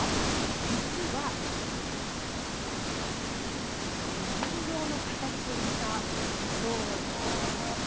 実は人形の形をした地上絵なんです。